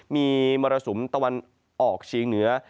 มีมรสุมตะวันออกเชียงเหนือ